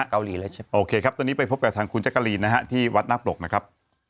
เข้าแล้วมาโอเคครับตอนนี้ไปพบกับคุณจักรีนที่วัดนักปลกนะครับ